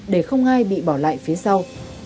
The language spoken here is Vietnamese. để không ai bị bỏ lại phía sau